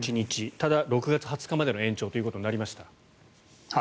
ただ、６月２０日までの延長ということになりました。